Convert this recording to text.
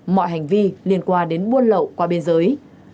mọi hành vi liên quan đến buôn lậu qua biên giới